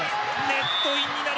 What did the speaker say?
ネットインになる。